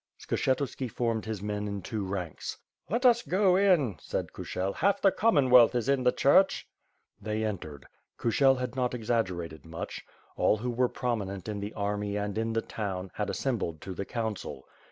Skshetuski formed his men in two ranks. ^TLet us go in!" said Kushel. "Half the Commonwealth is in the church." They entered. Kushel had not exaggerated much. All who were prominent in the army and in the town, had assem bled to the council.